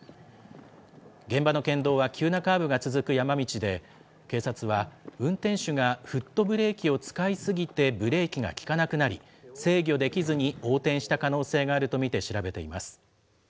現場の県道は急なカーブが続く山道で、警察は、運転手がフットブレーキを使い過ぎてブレーキが利かなくなり、制御できずに横転した可能性があると見て調べています。